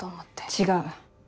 違う。